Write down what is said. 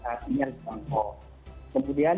artinya dibangkok kemudian